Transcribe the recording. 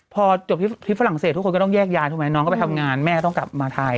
พอจบที่ฝรั่งเศสทุกคนก็ต้องแยกย้ายถูกไหมน้องก็ไปทำงานแม่ก็ต้องกลับมาไทย